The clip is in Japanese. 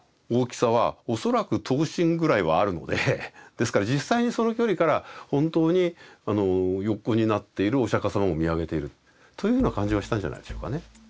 ですから実際にその距離から本当に横になっているお釈迦様を見上げているというような感じはしたんじゃないでしょうかね。